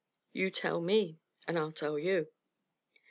You tell me, and I'll tell you.